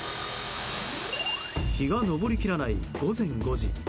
日が昇りきらない午前５時。